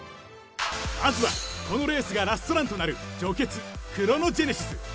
まずはこのレースがラストランとなる女傑クロノジェネシス。